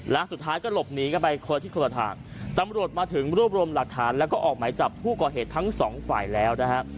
และสุดท้ายก็หลบหนีกันไปคนละทิศคนละทางตำรวจมาถึงรวบรวมหลักฐานแล้วก็ออกหมายจับผู้ก่อเหตุทั้งสองฝ่ายแล้วนะฮะ